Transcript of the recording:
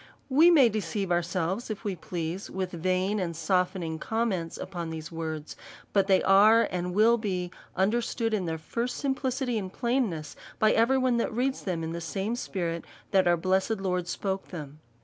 We may deceive ourselves, if we please, with vain and softening commands upon these word.s, but they are and will be understood in their first simplicity and plainness, by every one that reads them in the same spirit that our blessed Lord spoke them.